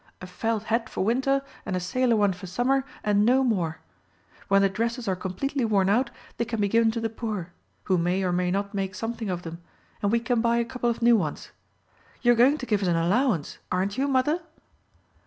A felt hat for winter, and a sailor one for summer, and no more. When the dresses are completely worn out they can be given to the poor—who may or may not make something of them—and we can buy a couple of new ones. You are going to give us an allowance, aren't you, mother?"